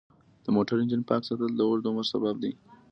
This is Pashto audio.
د موټر انجن پاک ساتل د اوږد عمر سبب دی.